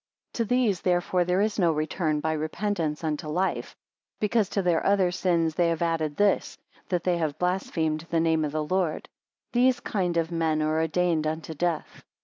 13 To these therefore there is no return, by repentance, unto life; because, to their other sins they have added this, that they have blasphemed the name of the lord: These kind of men are ordained unto death.